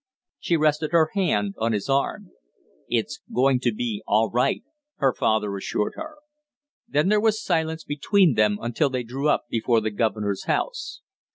She rested her hand on his arm. "It's going to be all right!" her father assured her. Then there was silence between them until they drew up before the governor's house.